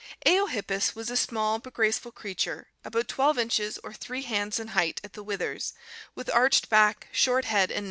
Eohippus (Figs. 212 214) was a small but graceful creature, about 12 inches or 3 hands in height at the withers, with _ arched back, short head and no.